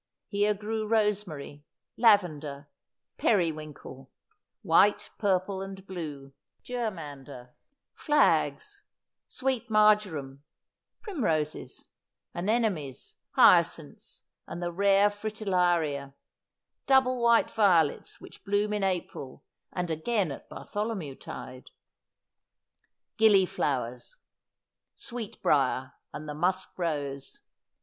Here grew rosemary ; lavender ; periwinkle, white, purple, and blue ; ger mander ; flags ; sweet marjoram ; primroses ; anemones ; hya cinths ; and the rare fritillaria ; double white violets, which bloom \u April, and again at Bartholomew tide ; gilliflowers ; 13S Asphodel. sweetbrier ; and the musk rose.